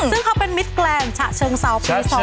ซึ่งเขาเป็นมิธกแกรมจะเชิงเซา๒๐๒๔